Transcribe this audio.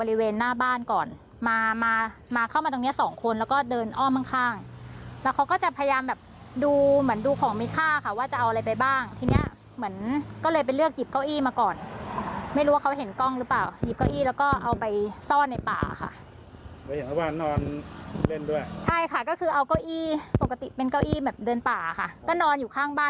พี่แบบเดินป่าค่ะก็นอนอยู่ข้างบ้านนอนพักนึงเลยนะคะนอนชิลเลย